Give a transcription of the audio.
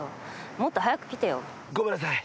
もっと早く来てよ。ごめんなさい。